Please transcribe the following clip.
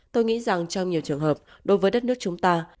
tôi nghĩ rằng trong nhiều trường hợp đối với đất nước chúng ta